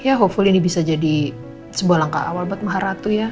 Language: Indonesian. ya hopefully ini bisa jadi sebuah langkah awal buat maharatu ya